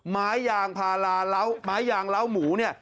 ไม้ยางพาราเล้าไม้ยางเล้าหมูเนี่ย